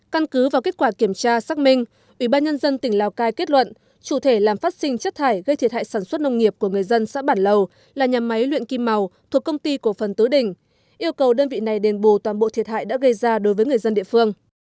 căn cứ vào kết quả kiểm tra xác minh ủy ban nhân dân tỉnh lào cai kết luận chủ thể làm phát sinh chất thải gây thiệt hại sản xuất nông nghiệp của người dân xã bản lầu là nhà máy luyện kim màu thuộc công ty cổ phần tứ đỉnh yêu cầu đơn vị này đền bù toàn bộ thiệt hại đã gây ra đối với người dân địa phương